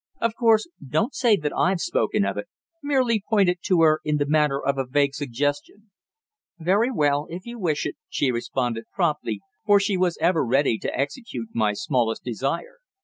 Of course, don't say that I've spoken of it. Merely put it to her in the manner of a vague suggestion." "Very well, if you wish it," she responded promptly, for she was ever ready to execute my smallest desire.